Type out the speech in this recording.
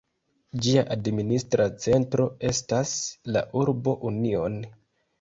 Ĝia administra centro estas la urbo Union.